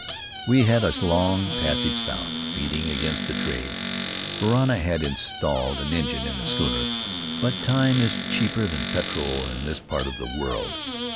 "We had a long passage south, beating against the trade; Varana had installed an engine in the schooner, but time is cheaper than petrol in this part of the world.